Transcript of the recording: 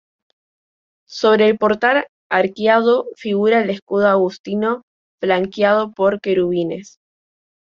Sobre el portal arqueado figura el escudo agustino flanqueado por querubines.